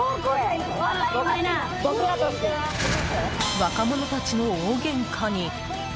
若者たちの大げんかに。